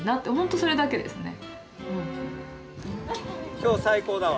今日最高だわ。